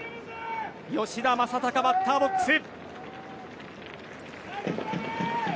吉田正尚がバッターボックス。